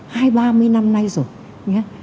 hai ba mươi năm nay rồi